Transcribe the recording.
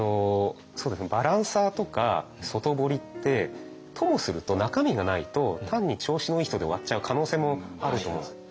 バランサーとか外堀ってともすると中身がないと単に調子のいい人で終わっちゃう可能性もあると思うんですよね。